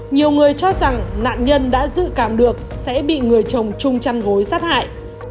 nhiều người cho rằng nạn nhân đã dự cảm được sẽ bị người chồng chung chăn gối sát hại